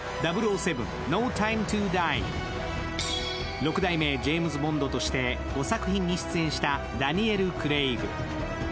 ６代目ジェームズ・ボンドとして５作品に出演したダニエル・クレイグ。